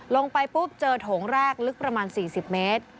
ลงไปปุ๊บเจอโถงแรกลึกประมาณ๔๐เมตร